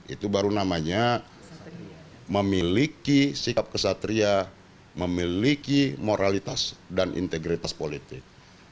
itu baru namanya memiliki sikap kesatria memiliki moralitas dan integritas politik